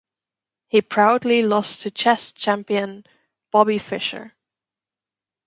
He proudly lost to chess champion Bobby Fischer.